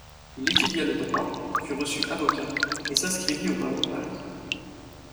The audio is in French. Il étudia le droit, fut reçu avocat et s'inscrivit au barreau de Paris.